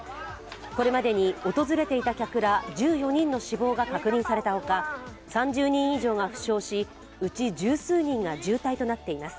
これまでに訪れていた客ら１４人の死亡が確認されたほか３０人以上が負傷し、うち十数人が重体となっています。